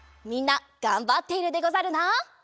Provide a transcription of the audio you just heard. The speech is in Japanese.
みんながんばっているでござるな。